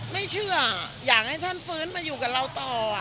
ไม่เชื่ออยากให้ท่านฟื้นมาอยู่กับเราต่อ